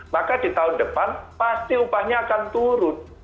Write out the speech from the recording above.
maka di tahun depan pasti upahnya akan turun